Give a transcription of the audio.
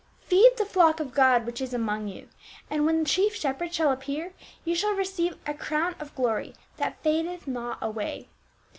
" Feed the flock of God which is among you, and when the chief shepherd shall appear, ye shall receive a crown of glory that fadcth not away.